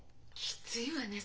きついわね。